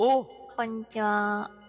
こんにちは。